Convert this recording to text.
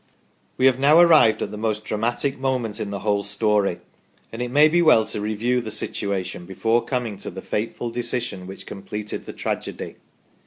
We have now arrived at the most dramatic moment in the whole story, and it may be well to review the situation before coming to the fateful decision which completed the tragedy.